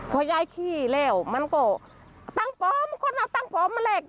พอยายขี้แล้วมันก็ตั้งปอมคนอ่ะตั้งปอมมาแหลก